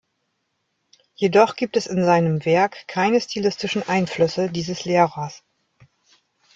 Jedoch gibt es in seinem Werk keine stilistischen Einflüsse dieses Lehrers.